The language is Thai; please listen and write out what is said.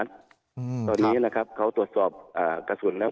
ตอนนี้นะครับเขาตรวจสอบอ่ากระสุนแล้ว